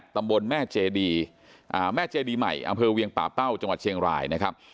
ตำบลแม่เจดีแม่เจดีใหม่อำเภอเวียงป่าเป้าจังหวัดเชียงรายนะครับ